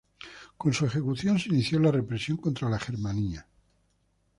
Con su ejecución se inició la represión contra la germanía.